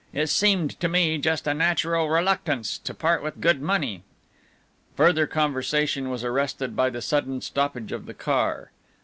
It seemed to me just a natural reluctance to part with good money." Further conversation was arrested by the sudden stoppage of the car.